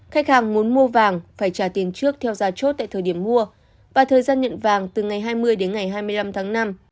khách hàng muốn mua vàng phải trả tiền trước theo giá chốt tại thời điểm mua và thời gian nhận vàng từ ngày hai mươi đến ngày hai mươi năm tháng năm